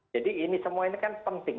jadi ini semua ini kan penting